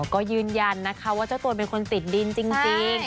ก็ยืนยันนะคะว่าเจ้าตัวเป็นคนติดดินจริง